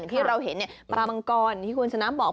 ที่เราเห็นปลามังกรที่คุณชนะบอก